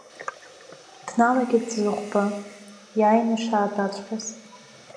Дналагеит Зыхәба, иааины ишаатәаҵәҟьаз.